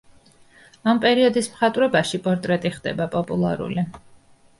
ამ პერიოდის მხატვრობაში პორტრეტი ხდება პოპულარული.